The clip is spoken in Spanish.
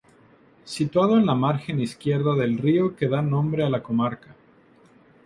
Situado en la margen izquierda del río que da nombre a la comarca.